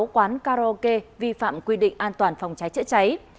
ba trăm hai mươi sáu quán karaoke vi phạm quy định an toàn phòng cháy chữa cháy